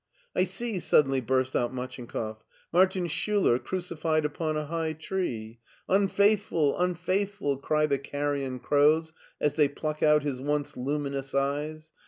*' I see," suddenly burst out MachinkoflF, " Martin Schuler crucified upon a high tree. * Unfaithful I un faithful !* cry the carrion crows as they pluck out his once luminous eyes.